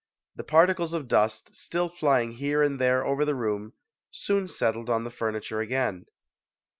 The parti cles of dust, still flying here and there over the room, soon settled on the furniture again.